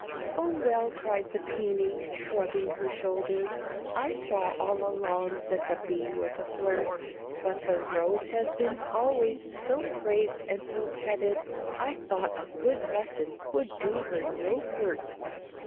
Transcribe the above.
"Oh, well," cried the Peony, shrugging her shoulders, "I saw all along that the Bee was a flirt; But the Rose has been always so praised and so petted, I thought a good lesson would do her no hurt."